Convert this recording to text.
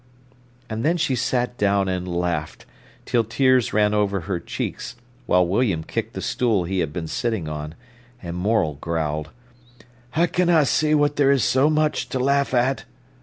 And then she sat down and laughed, till tears ran over her cheeks, while William kicked the stool he had been sitting on, and Morel growled: "I canna see what there is so much to laugh at."